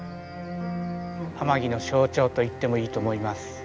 天城の象徴と言ってもいいと思います。